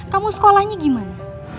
kamu sekolahnya gimana